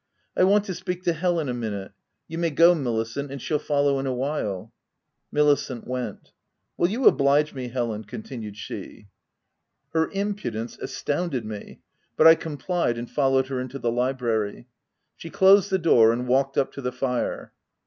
" I want to speak to Helen a minute. You may go Milicent, and she'll follow in a while/' (Milicent went.) u Will you oblige me, Helen V 9 continued she. OF WILDFELL HALL. 309 Her impudence astounded me ; but I com plied, and followed her into the library. She ctased the door, and walked up to the fire.